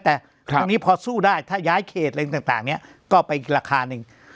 แต่คราวนี้พอสู้ได้ถ้าย้ายเขตอะไรต่างเนี่ยก็ไปอีกราคาหนึ่ง